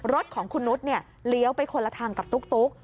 รถของคุณนุษย์เลี้ยวไปคนละทางกับตุ๊ก